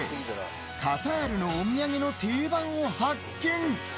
カタールのお土産の定番を発見！